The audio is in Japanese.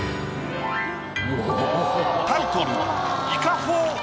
タイトル。